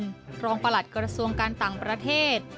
รองประหลัดกระทรวงการต่างประเทศ